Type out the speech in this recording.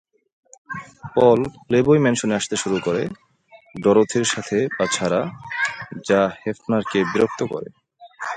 পল Playboy ম্যানসনে আসতে শুরু করে, ডরোথির সাথে বা ছাড়া, যা হেফনারকে বিরক্ত করে।